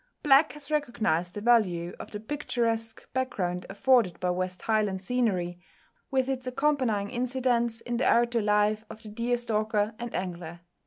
Black has recognised the value of the picturesque back ground afforded by West Highland scenery, with its accompanying incidents in the outdoor life of the deer stalker and angler.